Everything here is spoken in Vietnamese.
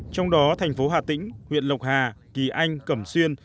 trong đó thành phố hà tĩnh huyện lộc hà kỳ anh cẩm xuyên